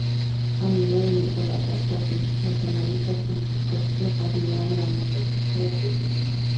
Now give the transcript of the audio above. Amigo de Nicolas Sarkozy, los analistas políticos lo consideran la mano derecha del Presidente.